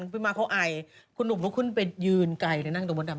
พี่มาเขาอ่ายคุณหนุ่มลูกคุณไปยืนไกลนั่งตรงบนดำ